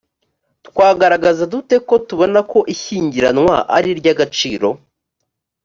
twagaragaza dute ko tubona ko ishyingiranwa ari iry’agaciro?